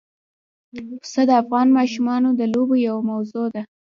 پسه د افغان ماشومانو د لوبو یوه موضوع ده.